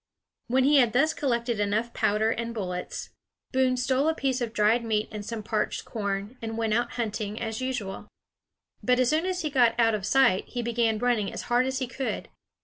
When he had thus collected enough powder and bullets, Boone stole a piece of dried meat and some parched corn, and went out hunting, as usual. But as soon as he got out of sight he began running as hard as he could.